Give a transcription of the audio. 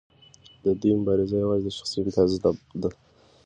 د دوی مبارزه یوازې د شخصي امتیاز ده.